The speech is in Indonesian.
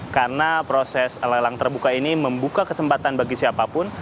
karena proses lelang terbuka ini membuka kesempatan bagi siapapun